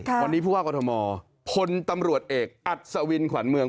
วันนี้ผู้ว่ากรทมพลตำรวจเอกอัศวินขวัญเมือง